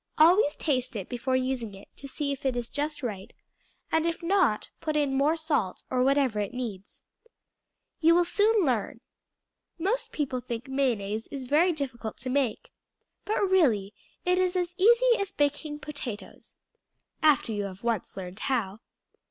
Always taste it before using it, to see if it is just right, and, if not, put in more salt, or whatever it needs. You will soon learn. Most people think mayonnaise is very difficult to make, but, really, it is as easy as baking potatoes, after you have once learned how.